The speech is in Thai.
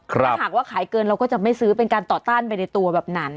ถ้าหากว่าขายเกินเราก็จะไม่ซื้อเป็นการต่อต้านไปในตัวแบบนั้น